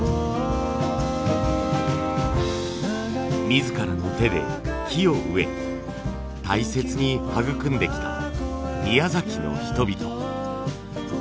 自らの手で木を植え大切に育んできた宮崎の人々。